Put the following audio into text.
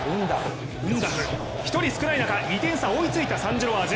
１人少ない中、２点追いついたサン＝ジロワーズ。